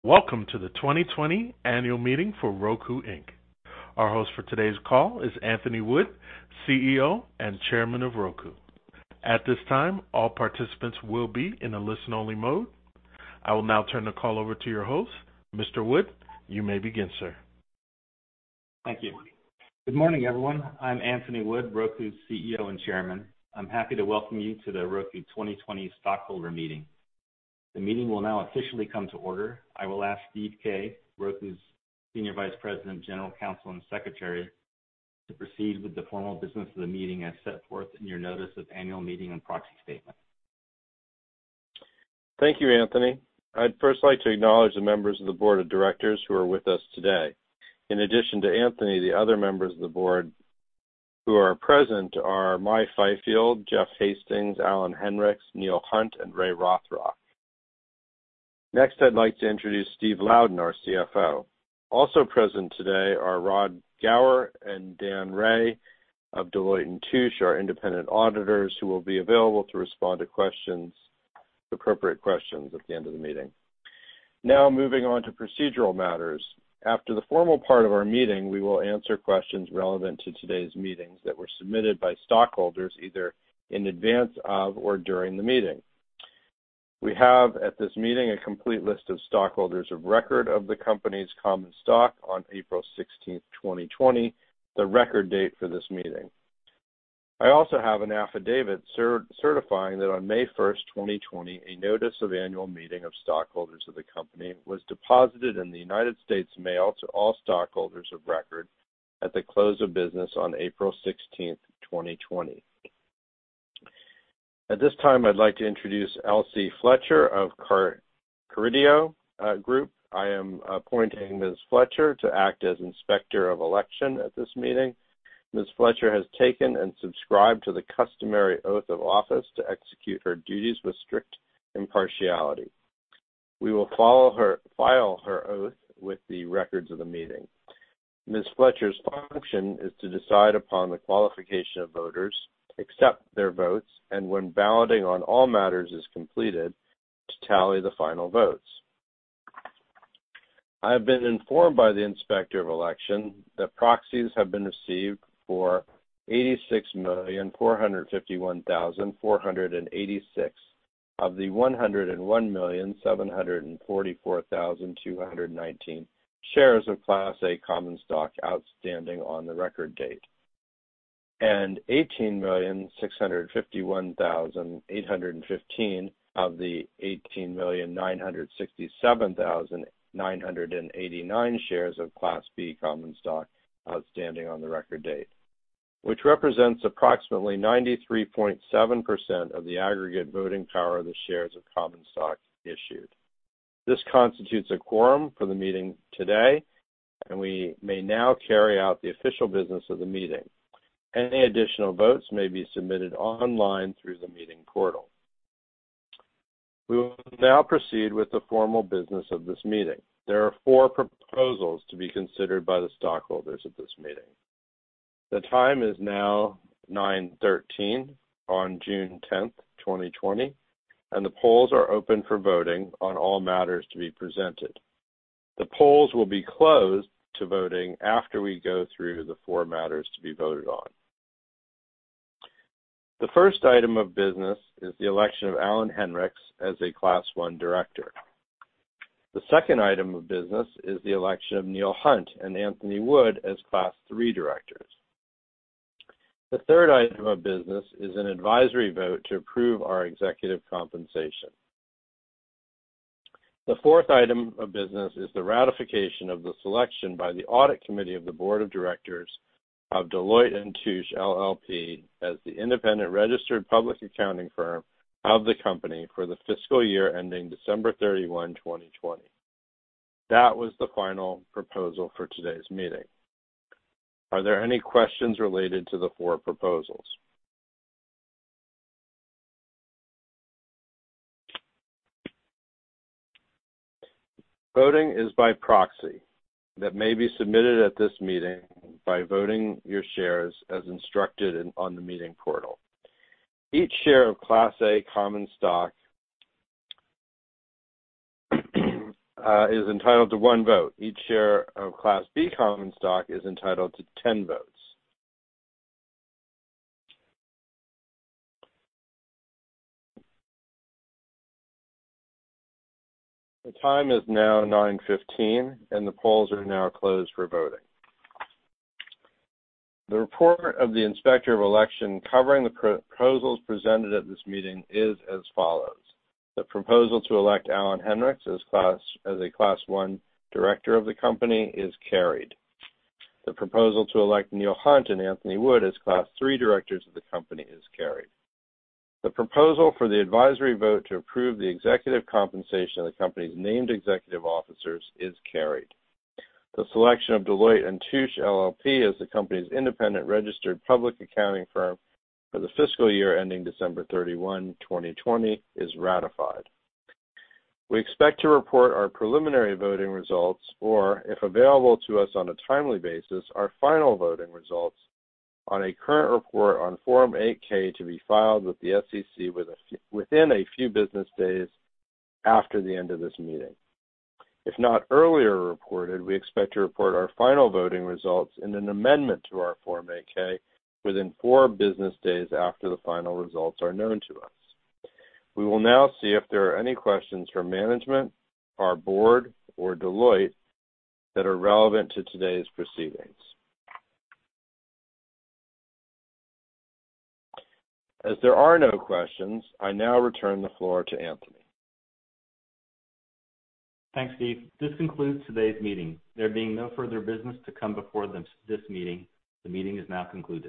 Welcome to the 2020 annual meeting for Roku, Inc. Our host for today's call is Anthony Wood, CEO and Chairman of Roku. At this time, all participants will be in a listen-only mode. I will now turn the call over to your host. Mr. Wood, you may begin, sir. Thank you. Good morning, everyone. I'm Anthony Wood, Roku's CEO and Chairman. I'm happy to welcome you to the Roku 2020 stockholder meeting. The meeting will now officially come to order. I will ask Steve Kay, Roku's Senior Vice President, General Counsel, and Secretary, to proceed with the formal business of the meeting as set forth in your notice of annual meeting and proxy statement. Thank you, Anthony. I'd first like to acknowledge the members of the board of directors who are with us today. In addition to Anthony, the other members of the board who are present are Mai Fyfield, Jeff Hastings, Alan Henricks, Neil Hunt, and Ray Rothrock. I'd like to introduce Steve Louden, our CFO. Also present today are Rod Gower and Dan Ray of Deloitte & Touche, our independent auditors, who will be available to respond to appropriate questions at the end of the meeting. Moving on to procedural matters. After the formal part of our meeting, we will answer questions relevant to today's meetings that were submitted by stockholders, either in advance of or during the meeting. We have, at this meeting, a complete list of stockholders of record of the company's common stock on April 16th, 2020, the record date for this meeting. I also have an affidavit certifying that on May first, 2020, a notice of annual meeting of stockholders of the company was deposited in the United States mail to all stockholders of record at the close of business on April 16th, 2020. At this time, I'd like to introduce Elsie Fletcher representing Carideo Group. I am appointing Ms. Fletcher to act as Inspector of Election at this meeting. Ms. Fletcher has taken and subscribed to the customary oath of office to execute her duties with strict impartiality. We will file her oath with the records of the meeting. Ms. Fletcher's function is to decide upon the qualification of voters, accept their votes, and when balloting on all matters is completed, to tally the final votes. I have been informed by the Inspector of Election that proxies have been received for 86,451,486 of the 101,744,219 shares of Class A common stock outstanding on the record date, and 18,651,815 of the 18,967,989 shares of Class B common stock outstanding on the record date, which represents approximately 93.7% of the aggregate voting power of the shares of common stock issued. This constitutes a quorum for the meeting today, and we may now carry out the official business of the meeting. Any additional votes may be submitted online through the meeting portal. We will now proceed with the formal business of this meeting. There are four proposals to be considered by the stockholders at this meeting. The time is now 9:13 A.M. on June 10th, 2020, and the polls are open for voting on all matters to be presented. The polls will be closed to voting after we go through the four matters to be voted on. The first item of business is the election of Alan Henricks as a Class One Director. The second item of business is the election of Neil Hunt and Anthony Wood as Class Three Directors. The third item of business is an advisory vote to approve our executive compensation. The fourth item of business is the ratification of the selection by the Audit Committee of the Board of Directors of Deloitte & Touche LLP as the independent registered public accounting firm of the company for the fiscal year ending December 31st, 2020. That was the final proposal for today's meeting. Are there any questions related to the four proposals? Voting is by proxy that may be submitted at this meeting by voting your shares as instructed on the meeting portal. Each share of Class A common stock is entitled to one vote. Each share of Class B common stock is entitled to 10 votes. The time is now 9:15 A.M., and the polls are now closed for voting. The report of the Inspector of Election covering the proposals presented at this meeting is as follows. The proposal to elect Alan Henricks as a Class 1 Director of the company is carried. The proposal to elect Neil Hunt and Anthony Wood as Class 3 Directors of the company is carried. The proposal for the advisory vote to approve the executive compensation of the company's named executive officers is carried. The selection of Deloitte & Touche LLP as the company's independent registered public accounting firm for the fiscal year ending December 31st, 2020, is ratified. We expect to report our preliminary voting results, or, if available to us on a timely basis, our final voting results on a current report on Form 8-K to be filed with the SEC within a few business days after the end of this meeting. If not earlier reported, we expect to report our final voting results in an amendment to our Form 8-K within four business days after the final results are known to us. We will now see if there are any questions from management, our board, or Deloitte that are relevant to today's proceedings. As there are no questions, I now return the floor to Anthony. Thanks, Steve. This concludes today's meeting. There being no further business to come before this meeting, the meeting is now concluded.